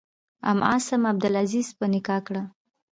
ام عاصم عبدالعزیز په نکاح کړه.